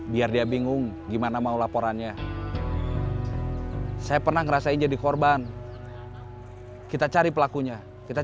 jadi bos dik dik